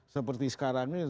seperti sekarang ini